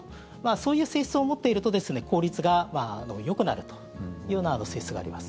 そういう性質を持っていると効率がよくなるというような性質があります。